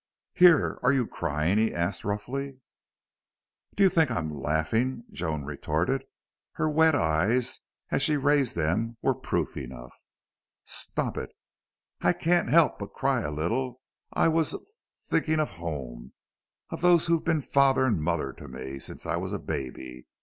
"Here! Are you crying?" he asked, roughly. "Do you think I'm laughing?" Joan retorted. Her wet eyes, as she raised them, were proof enough. "Stop it." "I can't help but cry a little. I was th thinking of home of those who've been father and mother to me since I was a baby.